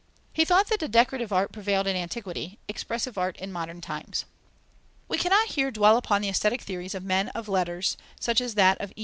He thought that decorative art prevailed in antiquity, expressive art in modern times. We cannot here dwell upon the aesthetic theories of men of letters, such as that of E.